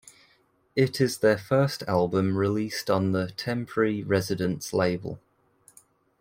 It is their first album released on the Temporary Residence label.